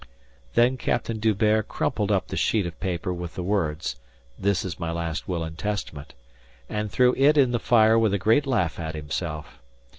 Then Captain D'Hubert crumpled up the sheet of paper with the words, "This is my last will and testament," and threw it in the fire with a great laugh at himself.